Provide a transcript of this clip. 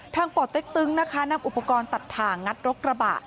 ทางป่อเต๊กตึ้งนะคะนับอุปกรณ์ตัดทางงัดรถกระบะ